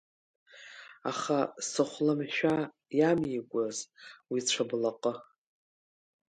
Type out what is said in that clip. Аха сыхәламшәа иамеикәыз уи цәыблаҟы?